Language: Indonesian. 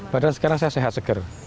padahal sekarang saya sehat segar